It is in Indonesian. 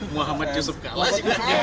muhammad yusuf kalas